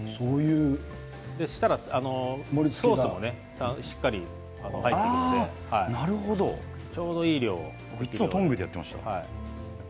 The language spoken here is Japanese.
そしたらしっかりと入っていくのでちょうどいい量。いつもトングでやっていました。